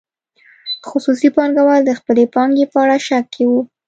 خصوصي پانګوال د خپلې پانګې په اړه شک کې وو.